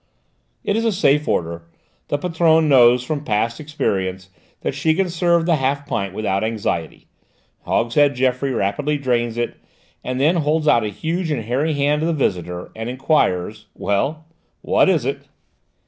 It is a safe order; the patronne knows from past experience that she can serve the half pint without anxiety: Hogshead Geoffroy rapidly drains it, and then holds out a huge and hairy hand to the visitor and enquires, "Well, what is it?"